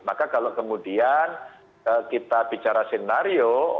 maka kalau kemudian kita bicara senario